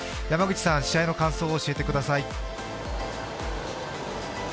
山口さん、試合の感想を教えてください。